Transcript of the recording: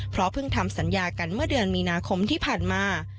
เพราะเพิ่งทำสัญญากันเมื่อเดือนมีนาคมที่ผ่านมา